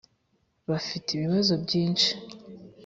bafite ibibazo byinshi